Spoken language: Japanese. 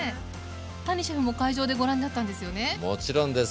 谷シェフも会場でご覧になったんですよね？もちろんです。